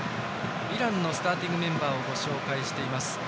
イランのスターティングメンバーをご紹介しています。